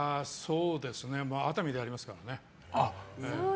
熱海でありますからね。